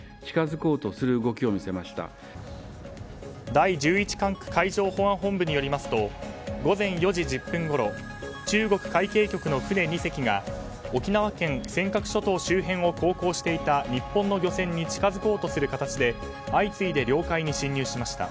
第１１管区海上保安本部によりますと午前４時１０分ごろ中国海警局の船２隻が沖縄県尖閣諸島周辺を航行していた日本の漁船に近づこうとする形で相次いで領海に侵入しました。